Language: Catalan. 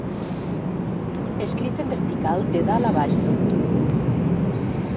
Escrit en vertical, de dalt a baix del tub.